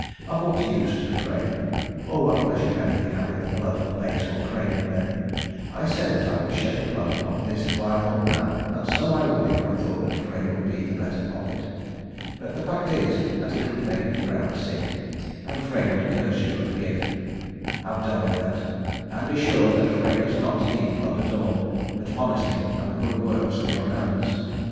Of what use to Frey, or what pleasure can he have in the blood of base or craven men? I said that I would shed the blood of this vile old man, and so I would if I thought that Frey would be the better of it. But the fact is that it would make the ground sick, and Frey would curse you for the gift. Have done with that, and be sure that Frey does not need blood at all, but honesty and the good works of your hands.